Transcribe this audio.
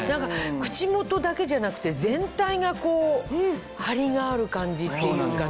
口元だけじゃなくて全体がこうハリがある感じっていうかね。